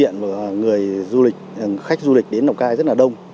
hiện người du lịch khách du lịch đến lào cai rất là đông